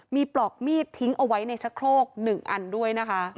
มีปลอกมีดทิ้งเอาไว้ในชะโครก๑อันด้วยนะคะ